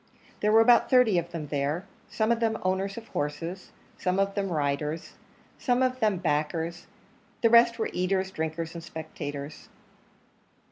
There were about thirty of them there, some of them owners of horses, some of them riders, some of them backers; the rest were eaters, drinkers, and spectators.